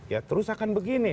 ya terus akan begini